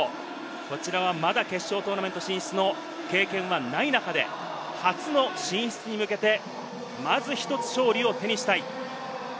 こちらはまだ決勝トーナメント進出の経験はない中で、初の進出に向けて、まず１つ勝利を手にしたい。